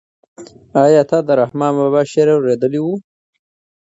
آیا تا د رحمان بابا شعر اورېدلی و؟